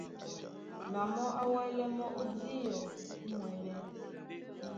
Na mɔ́ á wɛ́lɛ mɔ́ ó díɔ ó mwɛɓɛ́.